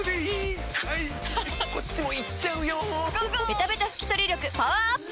ベタベタ拭き取り力パワーアップ！